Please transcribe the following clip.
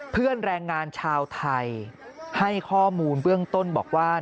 แรงงานชาวไทยให้ข้อมูลเบื้องต้นบอกว่า